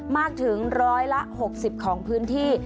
มากถึงร้อยละ๖๐ของพื้นที่